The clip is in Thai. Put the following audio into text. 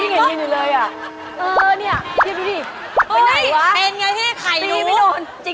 หรือจะหาว่ามาหลอกคนดู